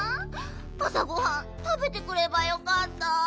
あさごはんたべてくればよかった。